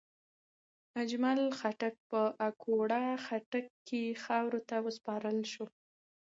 اجمل خټک په اکوړه خټک کې خاورو ته وسپارل شو.